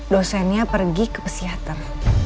dosennya pergi ke psikiater